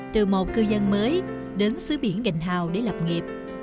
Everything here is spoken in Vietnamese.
từ một cư dân mới đến xứ biển gành hào để lập nghiệp